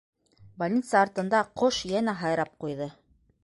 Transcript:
Больница артында «ҡош» йәнә һайрап ҡуйҙы.